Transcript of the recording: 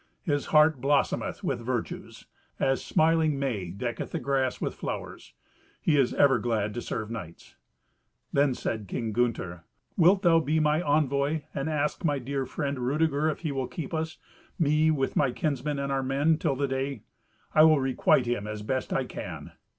His heart blossometh with virtues, as smiling May decketh the grass with flowers. He is ever glad to serve knights." Then said King Gunther, "Wilt thou be my envoy, and ask my dear friend Rudeger if he will keep us—me with my kinsmen and our men—till the day? I will requite him as best I can."